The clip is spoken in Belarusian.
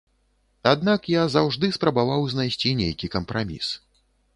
Аднак я заўжды спрабаваў знайсці нейкі кампраміс.